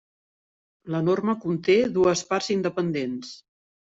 La norma conté dues parts independents.